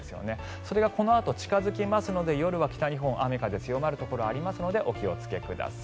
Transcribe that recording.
それがこのあと近付きますので夜は北日本雨、風強まるところがありますのでお気をつけください。